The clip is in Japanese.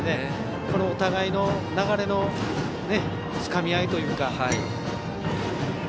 お互いの流れの掴み合いというか。